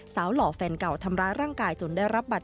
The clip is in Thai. หล่อแฟนเก่าทำร้ายร่างกายจนได้รับบัตร